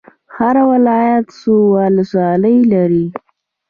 هر ولایت څو ولسوالۍ لري؟